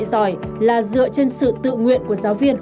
giỏi là dựa trên sự tự nguyện của giáo viên